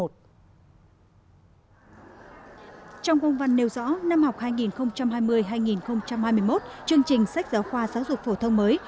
trong công văn nêu rõ năm học hai nghìn hai mươi hai nghìn hai mươi một chương trình sách giáo khoa giáo dục phổ thông mới